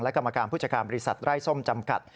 กรรมการผู้จัดการบริษัทไร้ส้มจำกัด